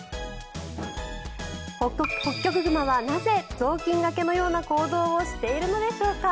ホッキョクグマはなぜ、雑巾がけのような行動をしているのでしょうか。